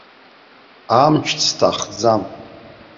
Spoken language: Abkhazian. Амч сҭахӡам.